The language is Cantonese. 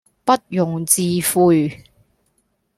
不容置喙